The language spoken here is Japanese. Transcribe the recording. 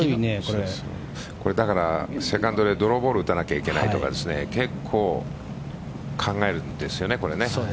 だからセカンドでドローボールを打たなきゃいけないとか結構考えるんですよね。